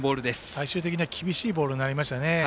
最終的には厳しいボールになりましたね。